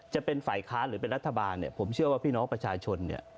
จะเป็นฝ่ายค้านหรือเป็นรัฐบาลเนี่ยผมเชื่อว่าพี่น้องประชาชนเนี่ย